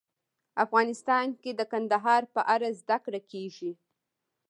افغانستان کې د کندهار په اړه زده کړه کېږي.